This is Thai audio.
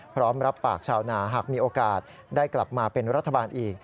พร้อมรับปากชาวนาหากมีโอกาสได้กลับมาเป็นรัฐบาลอีก